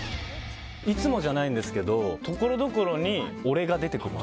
いつもじゃないんですけどところどころに俺が出てくる。